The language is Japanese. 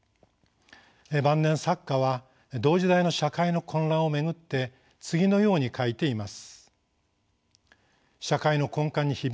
晩年作家は同時代の社会の混乱を巡って次のように書いています。